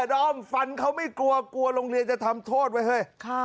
ดอมฟันเขาไม่กลัวกลัวโรงเรียนจะทำโทษไว้เฮ้ย